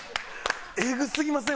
えぐすぎません？